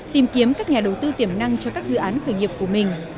tìm kiếm các nhà đầu tư tiềm năng cho các dự án khởi nghiệp của mình